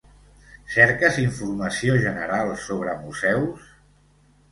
Cerques informació general sobre museus?